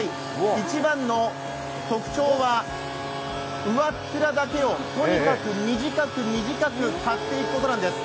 一番の特徴は上っ面だけをとにかく短く短く刈っていくんです。